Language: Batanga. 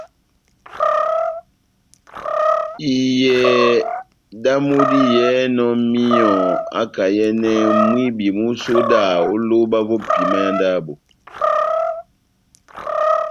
Iyɛhɛ damu diyɛhɛnɔ míyɔ akayɛnɛ mwibi músodaha ó lóba vó epima yá ndabo.